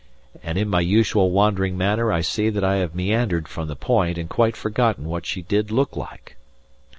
and in my usual wandering manner I see that I have meandered from the point and quite forgotten what she did look like.